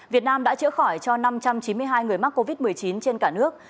việt nam đã chữa khỏi cho năm trăm chín mươi hai người mắc covid một mươi chín trên cả nước